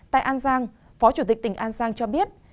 tại an giang phó chủ tịch tỉnh an giang cho biết